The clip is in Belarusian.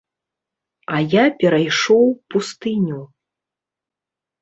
А я перайшоў пустыню.